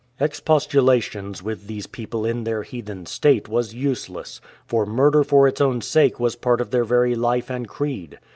Expostulations with these people in their heathen state was useless, for murder for its own sake was part of their very life and creed.